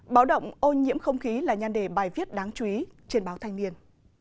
báo động ô nhiễm không khí là nhan đề bài viết đáng chú ý trên báo thanh niên